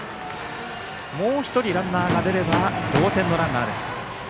もう１人ランナーが出れば同点のランナーです。